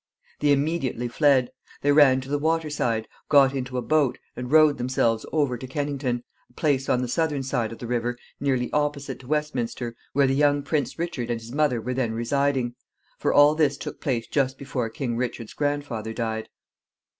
They immediately fled. They ran to the water side, got into a boat, and rowed themselves over to Kennington, a place on the southern side of the river, nearly opposite to Westminster, where the young Prince Richard and his mother were then residing; for all this took place just before King Richard's grandfather died.